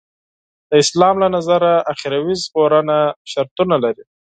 د اسلام له نظره اخروي ژغورنه شرطونه لري.